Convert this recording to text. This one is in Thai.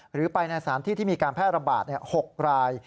หรือไปในสถานที่ที่มีการแพร่ระบาด๖ราย